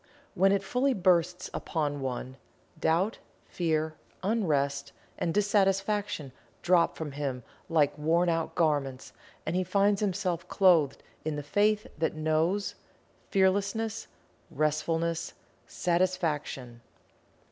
When it fully bursts upon one, Doubt, Fear, Unrest and Dissatisfaction drop from him like wornout garments and he finds himself clothed in the Faith that Knows; Fearlessness; Restfulness; Satisfaction.